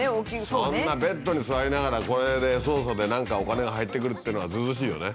そんなベッドに座りながらこれで操作で何かお金が入ってくるっていうのはずうずうしいよね。